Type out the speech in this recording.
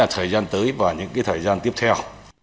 trong thời gian tiếp theo